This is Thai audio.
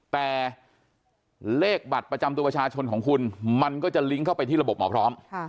แต่เลขบัตรประจำตัวประชาชนของคุณมันก็จะลิงก์เข้าไปที่ระบบหมอพร้อม